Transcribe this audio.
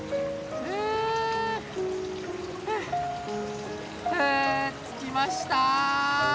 ふう着きました！